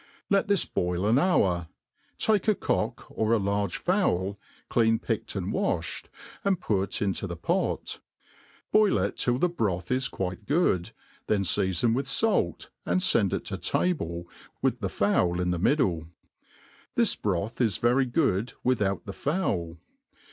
Let this boil an hour. Take a cock, or a large fowl, clean picked and wafhed, and put into the pot; boil it till the broth is quite good> , then feafon with fait, and fend it to table, with the fowl in the middle. Thi^ broth is very good without the fowl.